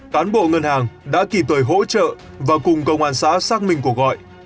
cán bộ ngân hàng đã kỳ tuổi hỗ trợ và cùng công an xã xác minh cuộc gọi